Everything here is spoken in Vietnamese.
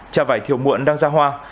trà vải thiều muộn đang ra hoa